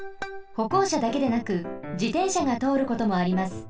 ほこうしゃだけでなく自転車がとおることもあります。